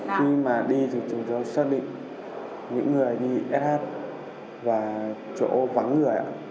khi mà đi thì chúng tôi xác định những người đi sh và chỗ vắng người ạ